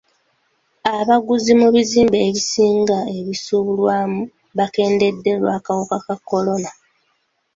Abaguzi mu bizimbe ebisinga ebisuubulwamu bakendedde olw'akawuka ka kolona.